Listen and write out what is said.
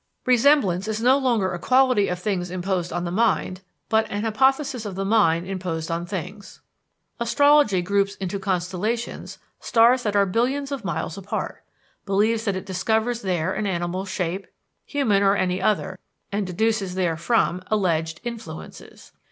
Resemblance is no longer a quality of things imposed on the mind, but an hypothesis of the mind imposed on things. Astrology groups into "constellations" stars that are billions of miles apart, believes that it discovers there an animal shape, human or any other, and deduces therefrom alleged "influences."